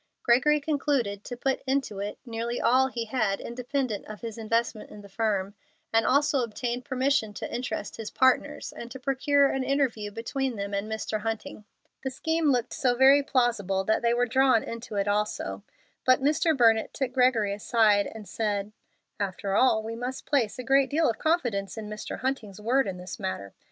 Gregory concluded to put into it nearly all he had independent of his investment in the firm, and also obtained permission to interest his partners, and to procure an interview between them and Mr. Hunting. The scheme looked so very plausible that they were drawn into it also; but Mr. Burnett took Gregory aside and said: "After all, we must place a great deal of confidence in Mr. Hunting's word in this matter.